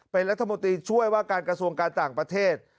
เป็นรัฐมนตรีช่วยว่าการกระทรวงการต่างประเทศ